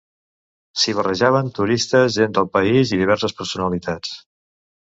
S'hi barrejaven turistes, gent del país i diverses personalitats.